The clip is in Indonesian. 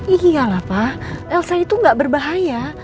iya lah pak elsa itu nggak berbahaya